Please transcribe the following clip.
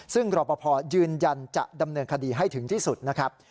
ซึ่งรอปภยืนยันจะดำเนินคดีให้ถึงที่สุดนะครับ